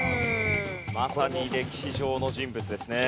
まさに歴史上の人物ですね。